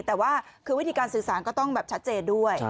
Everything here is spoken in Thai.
แต่ว่าคือวิธีการสื่อสารก็ต้องแบบชัดเจนด้วย